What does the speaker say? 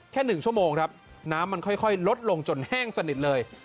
๑ชั่วโมงครับน้ำมันค่อยลดลงจนแห้งสนิทเลย